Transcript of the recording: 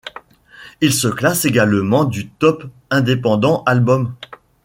Il se classe également du Top independent albums.